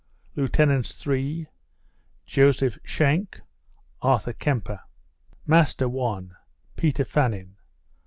Lieutenants (3) Joseph Shank, Arthur Kempe. Master (1) Peter Fannin.